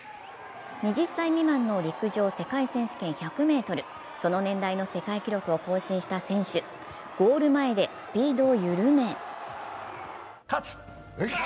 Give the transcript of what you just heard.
２０歳未満の陸上世界選手権１００ｍその年代の世界記録を更新した選手、ゴール前でスピードを緩め喝！